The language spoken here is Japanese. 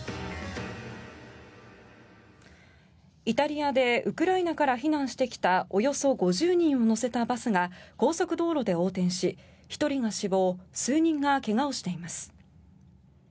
イタリアでウクライナから避難してきたおよそ５０人を乗せたバスが高速道路で横転し１人が死亡数人が怪我をしています。